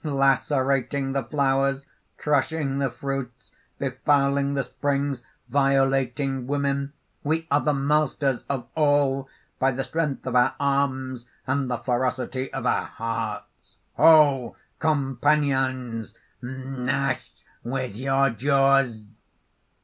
"Lacerating the flowers, crushing the fruits, befouling the springs, violating women, we are the masters of all, by the strength of our arms, and the ferocity of our hearts. "Ho! companions! gnash with your jaws!"